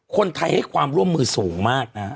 คนไทยให้ความร่วมมือสูงมากนะฮะ